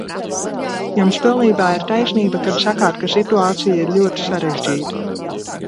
Jums pilnībā ir taisnība, kad sakāt, ka situācija ir ļoti sarežģīta.